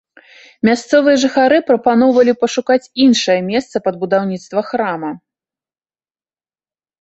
Мясцовыя жыхары прапаноўвалі пашукаць іншае месца пад будаўніцтва храма.